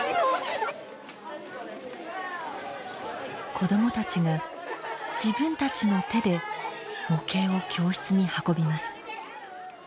子どもたちが自分たちの手で模型を教室に運びます。